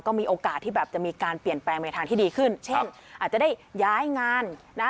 ก็มีโอกาสที่แบบจะมีการเปลี่ยนแปลงในทางที่ดีขึ้นเช่นอาจจะได้ย้ายงานนะ